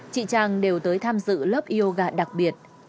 chị trang đều tới tham dự lớp yoga đặc biệt